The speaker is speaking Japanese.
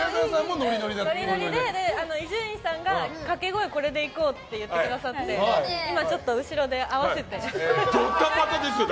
ノリノリで伊集院さんがかけ声はこれでいこうって言ってくださって今、ちょっと後ろで合わせて。